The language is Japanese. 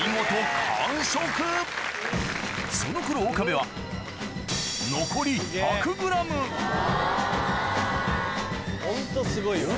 その頃岡部はホントすごいわ。